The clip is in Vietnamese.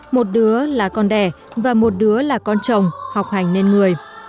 một đứa là con đẻ và một đứa là con chồng học hành nên người